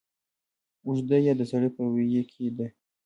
اوږده يا د سړې په ویي کې ده